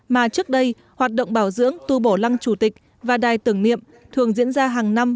mà trước đây hoạt động bảo dưỡng tu bổ lăng chủ tịch và đài tưởng niệm thường diễn ra hàng năm